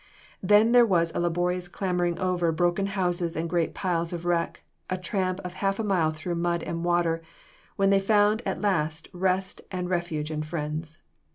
Then there was a laborious clambering over broken houses and great piles of wreck, a tramp of half a mile through mud and water, when they found at last rest and refuge and friends.